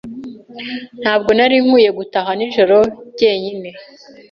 Ntabwo nari nkwiye gutaha nijoro jyenyine.